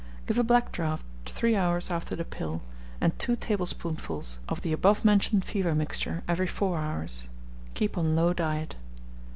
Give a black draught three hours after the pill, and two tablespoonfuls of the above mentioned fever mixture every four hours. Keep on low diet.